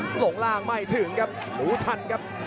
หลงล่างไม่ถึงครับรู้ทันครับ